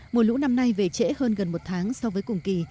mùa lũ năm nay về trễ hơn gần một tháng so với cùng kỳ